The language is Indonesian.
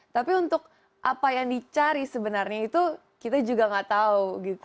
tapi untuk apa yang dicari sebenarnya itu kita juga nggak tahu gitu